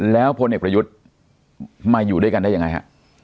แล้วพลเอกประยุทธ์มาอยู่ด้วยกันได้ยังไงฮะ